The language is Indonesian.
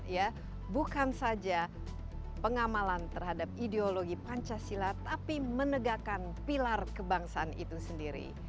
ya bukan saja pengamalan terhadap ideologi pancasila tapi menegakkan pilar kebangsaan itu sendiri